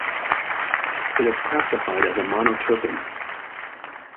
It is classified as a monoterpene.